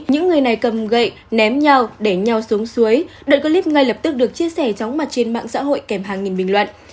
những người này cầm gậy ném nhau để nhau xuống suối đoạn clip ngay lập tức được chia sẻ chóng mặt trên mạng xã hội kèm hàng nghìn bình luận